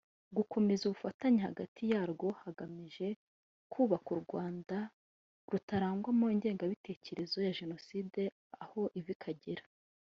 gukomeza ubufatanye hagati yarwo hagamijwe kubaka u Rwanda rutarangwamo ingengabitekerezo ya Jenoside aho iva ikagera